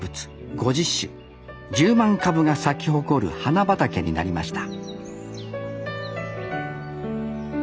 ５０種１０万株が咲き誇る花畑になりました